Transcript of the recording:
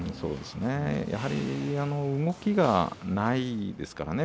やはり動きがないですからね。